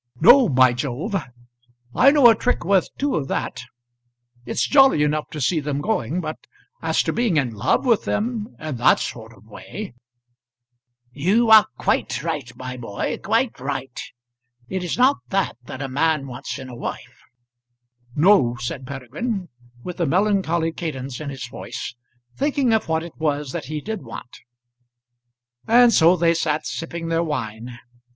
No, by Jove! I know a trick worth two of that. It's jolly enough to see them going, but as to being in love with them in that sort of way " "You are quite right, my boy; quite right. It is not that that a man wants in a wife." "No," said Peregrine, with a melancholy cadence in his voice, thinking of what it was that he did want. And so they sat sipping their wine.